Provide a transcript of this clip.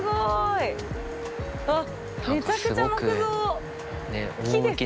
わっめちゃくちゃ木造。